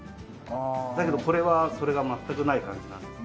だけどこれはそれが全くない感じなんです。